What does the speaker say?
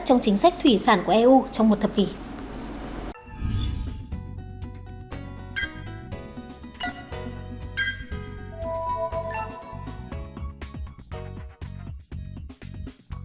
trong chính sách thủy sản của eu trong một thập kỷ